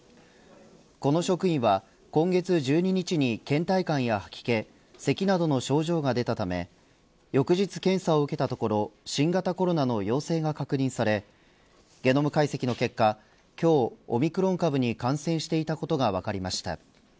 この職員は今月１２日に倦怠感や吐き気せきなどの症状が出たため翌日検査を受けたところ新型コロナの陽性が確認されゲノム解析の結果今日、オミクロン株に感染していたことが分かりました。